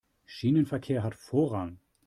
Schienenverkehr hat Vorrang.